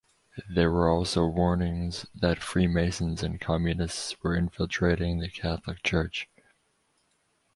There were also warnings that Freemasons and Communists were infiltrating the Catholic Church.